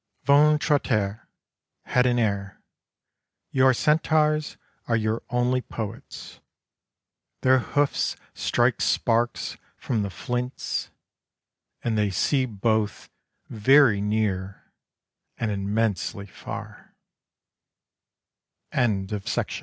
Ventre a terre, head in air — your centaurs are your only poets. Their hoofs strike sparks from the flints and they see both very near and immen